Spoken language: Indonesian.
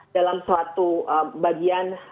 dalam suatu bagian